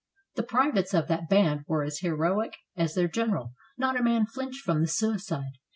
The privates of that band were as heroic as their general. Not a man flinched from the suicide.